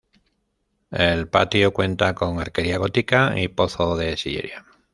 El patio cuenta con arquería gótica y pozo de sillería.